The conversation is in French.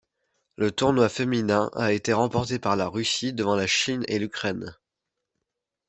Le tournoi féminin a été remporté par la Russie devant la Chine et l'Ukraine.